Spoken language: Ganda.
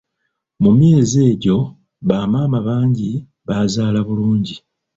Mu myezi egyo, bamaama bangi baazaala bulungi.